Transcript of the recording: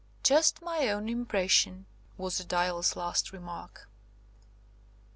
"Just my own impression," was the Dial's last remark.